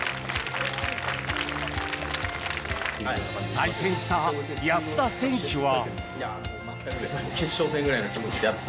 対戦した安田選手は。